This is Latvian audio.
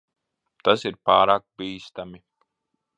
Tas ir pārāk bīstami.